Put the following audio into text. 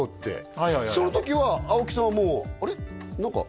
はいはいはいその時は青木さんはもうあれ？